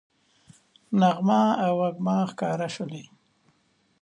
نغمه او وږمه ښکاره شولې